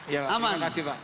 ya pak terima kasih pak